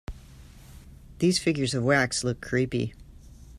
These figures of wax look creepy.